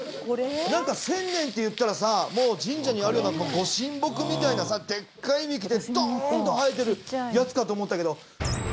１，０００年っていったらさ神社にあるような御神木みたいなさでっかい幹でドーンと生えてるやつかと思ったけど。